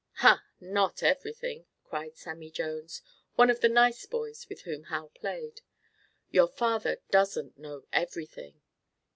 "Huh! Not everything!" cried Sammie Jones, one of the nice boys with whom Hal played, "Your father doesn't know everything."